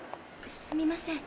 すみません。